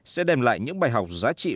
sẽ đem lại những bài học giá trị